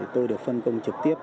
tôi được phân công trực tiếp